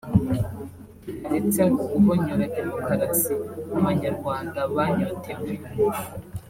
kitaretse no guhonyora demokarasi Abanyarwanda banyotewe